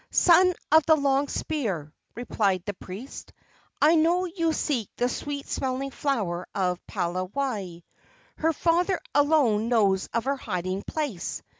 "Son of the long spear," replied the priest, "I know you seek the sweet smelling flower of Palawai. Her father alone knows of her hiding place.